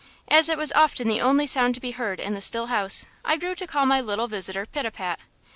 As it was often the only sound to be heard in the still house, I grew to call my little visitor Pitapat."